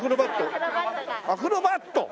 アクロバットが。